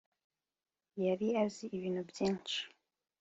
yari azi ibintu byinshi